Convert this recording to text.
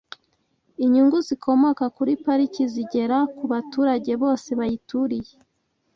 Inyungu zikomoka kuri pariki zigera ku baturage bose bayituriye